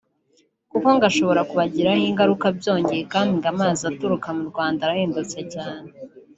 kuko ngo ashobora kubagiraho ingaruka byongeye kandi ngo amazi aturuka mu Rwanda arahendutse cyane